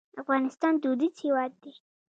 افغانستان دودیز هېواد دی.